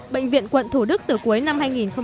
bệnh viện quận thủ đức từ cuối năm hai nghìn một mươi tám